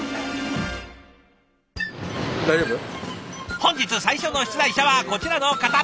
本日最初の出題者はこちらの方。